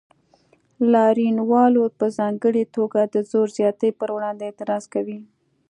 لاریونوال په ځانګړې توګه د زور زیاتي پر وړاندې اعتراض کوي.